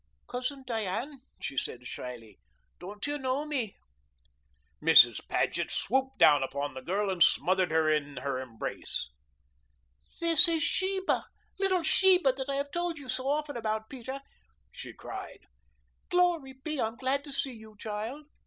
"Cousin Diane," she said shyly. "Don't you know me?" Mrs. Paget swooped down upon the girl and smothered her in her embrace. "This is Sheba little Sheba that I have told you so often about, Peter," she cried. "Glory be, I'm glad to see you, child."